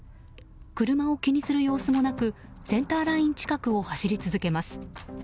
車を気にする様子もなくセンターライン近くを走ります。